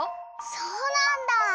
そうなんだ！